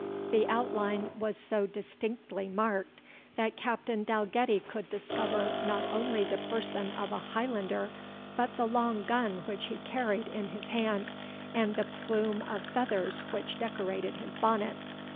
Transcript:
The outline was so distinctly marked, that Captain Dalgetty could discover not only the person of a Highlander, but the long gun which he carried in his hand, and the plume of feathers which decorated his bonnet.